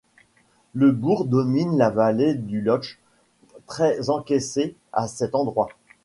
Le bourg domine la vallée du Loc'h, très encaissée à cet endroit.